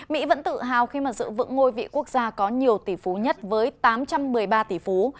mỹ vẫn tự hào khi mà giữ vững ngôi vị quốc gia có nhiều tỷ phú nhất với tám trăm một mươi ba tỷ phú